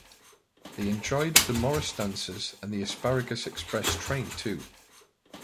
They enjoyed the Morris Dancers and the Asparagus Express train too.